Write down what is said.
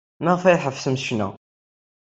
Maɣef ay tḥebsemt ccna?